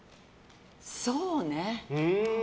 そうね。